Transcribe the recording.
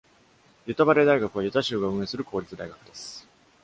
ユタバレー大学は、ユタ州が運営する公立大学です。